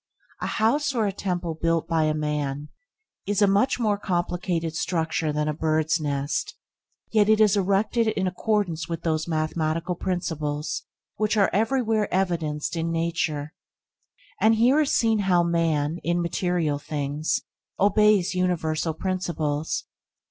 A house or a temple built by man is a much more complicated structure than a bird's nest, yet it is erected in accordance with those mathematical principles which are everywhere evidenced in nature. And here is seen how man, in material things, obeys universal principles.